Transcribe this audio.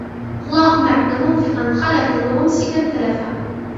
اللَّهُمَّ أَعْطِ مُنْفِقًا خَلْفًا وَمُمْسِكًا تَلَفًا